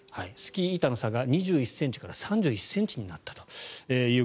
スキー板の差が２１ｃｍから３１ｃｍになったと。